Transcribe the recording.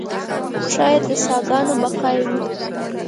ښایي د ساکانو بقایاوي.